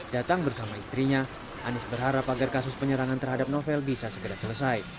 datang bersama istrinya anies berharap agar kasus penyerangan terhadap novel bisa segera selesai